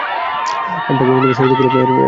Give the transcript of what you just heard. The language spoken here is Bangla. আর ডার্কের অন্যতম সেরা দিক হলো এর সাউন্ডট্র্যাক।